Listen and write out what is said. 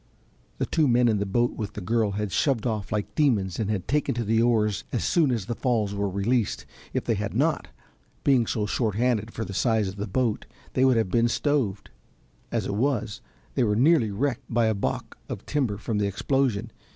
The two men in the boat with the girl had shoved off like demons and taken to the oars as soon as the falls were released. If they had not, being so short handed for the size of the boat, they would have been stoved; as it was they were nearly wrecked by a balk of timber from the explosion.